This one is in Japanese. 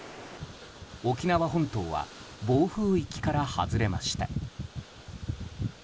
沖縄本島は暴風域から外れました。